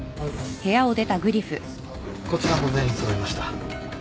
こちらも全員揃いました。